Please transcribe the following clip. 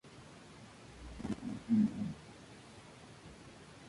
Allí se le obsequia a cada participante con un regalo de recuerdo.